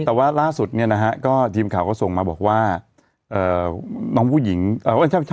แต่ว่าล่าสุดเนี่ยนะฮะก็ทีมข่าวก็ส่งมาบอกว่าน้องผู้หญิง